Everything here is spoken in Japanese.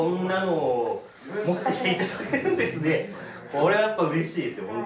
これはやっぱうれしいですよ